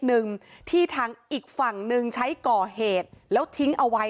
นี่นี่นี่นี่นี่นี่